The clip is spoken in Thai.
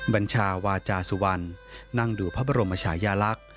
บัญชาวาจาสุวรรณนั่งดูพระบรมชายาลักษณ์